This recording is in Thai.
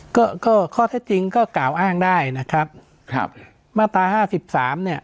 ก็ก็ข้อเท็จจริงก็กล่าวอ้างได้นะครับครับมาตราห้าสิบสามเนี่ย